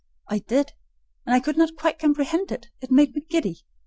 I did, and I could not quite comprehend it: it made me giddy.